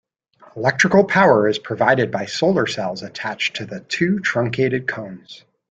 Electrical power is provided by solar cells attached to the two truncated cones.